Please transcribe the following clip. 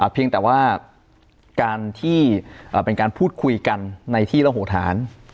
เพียงแต่ว่าการที่เป็นการพูดคุยกันในที่ระโหฐาน